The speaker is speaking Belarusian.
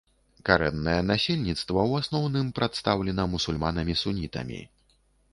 Карэннае насельніцтва ў асноўным прадстаўлена мусульманамі-сунітамі.